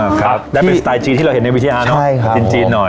ครับได้เป็นสไตล์จีนที่เราเห็นในวิทยาเนอะใช่ครับจีนจีนหน่อย